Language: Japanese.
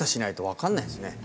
分かんないですね。